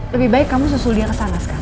lebih baik kamu susul dia kesana sekarang